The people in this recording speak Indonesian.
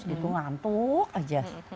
itu ngantuk aja